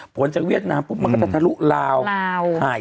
ผลจากเวียดนามปุ๊บมันก็จะทะลุลาวลาวไทย